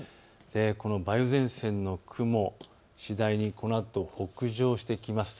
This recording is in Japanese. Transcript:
この梅雨前線の雲、次第にこのあと北上してきます。